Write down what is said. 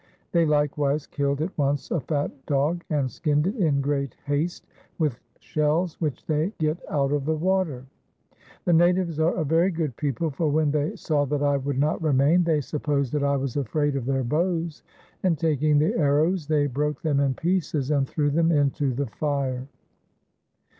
They likewise killed at once a fat dog and skinned it in great haste, with shells which they get out of the water.... The natives are a very good people, for when they saw that I would not remain, they supposed that I was afraid of their bows, and taking the arrows they broke them in pieces and threw them into the fire.